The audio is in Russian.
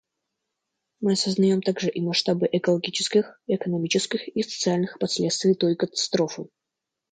Мы осознаем также и масштабы экологических, экономических и социальных последствий той катастрофы.